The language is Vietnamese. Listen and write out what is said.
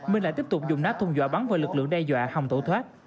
minh lại tiếp tục dùng nát thùng dọa bắn vào lực lượng đe dọa hòng tổ thoát